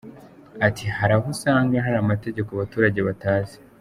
Ati″Hari aho usanga hari amategeko abaturage batazi.